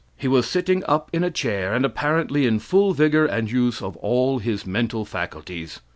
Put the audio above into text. He was sitting up in a chair, and apparently in full vigor and use of all his mental faculties.